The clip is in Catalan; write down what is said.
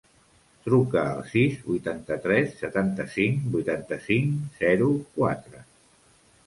Truca al sis, vuitanta-tres, setanta-cinc, vuitanta-cinc, zero, quatre.